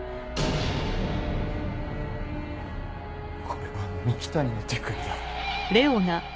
これは三鬼谷の手首だ。